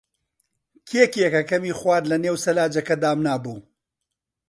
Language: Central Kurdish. کێ کێکەکەمی خوارد کە لەنێو سەلاجەکە دامنابوو؟